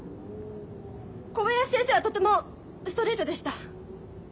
小林先生はとてもストレートでした。